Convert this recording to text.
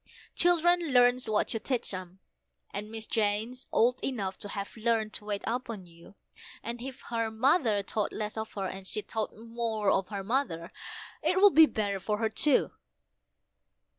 Children learns what you teach 'em, and Miss Jane's old enough to have learned to wait upon you: And if her mother thought less of her and she thought more of her mother, it would be better for her too."